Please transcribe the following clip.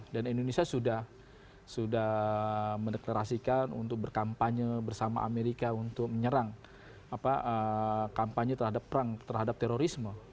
dan indonesia sudah mendeklarasikan untuk berkampanye bersama amerika untuk menyerang kampanye terhadap perang terhadap terorisme